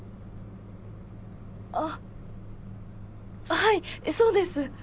あはいそうです